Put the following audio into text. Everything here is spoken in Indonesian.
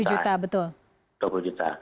iya dua puluh juta betul